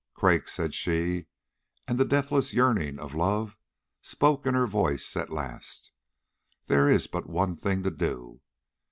"Craik," said she, and the deathless yearning of love spoke in her voice at last, "there is but one thing to do.